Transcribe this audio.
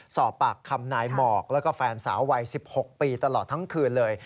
สอบปากคำนายหมอกแล้วก็แฟนสาววัย๑๖ปีตลอดทั้งคืนเลย